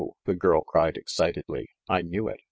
the girl cried excitedly, "I knew it